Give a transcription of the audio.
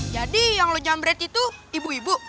jadi yang lo nyambret itu ibu ibu